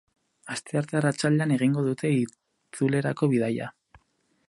Astearte arratsaldean egingo dute itzulerako bidaia.